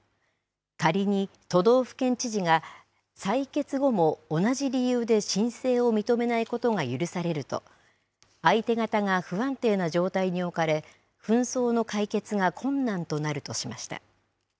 仮に都道府県知事が裁決後も同じ理由で申請を認めないことが許されると、相手方が不安定な状態に置かれ、紛争の解決が困難となるとしました。